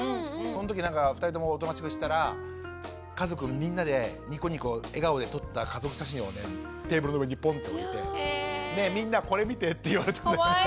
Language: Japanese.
そのときなんか２人とも大人しくしてたら家族みんなでニコニコ笑顔で撮った家族写真をテーブルの上にボンって置いて「ねえみんなこれ見て」って言われたんだよね。